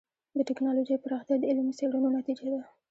د ټکنالوجۍ پراختیا د علمي څېړنو نتیجه ده.